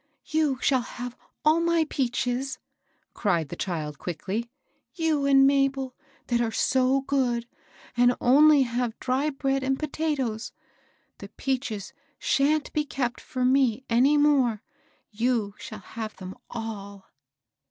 *' You shall have all my peaches !" cried the child, quickly, " you and Mabel, that are so good, and only have dry bread and potatoes ; the peaches shan't be kept for me any more, — you shall have them all."